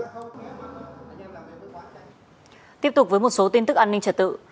tiếp tục với một số tin tức an ninh trật tự